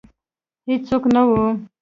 هیڅوک نه وه